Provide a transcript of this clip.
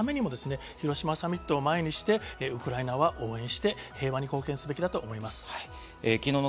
広島サミットを前にしてウクライナを応援して、平和に貢献すべきだと思います。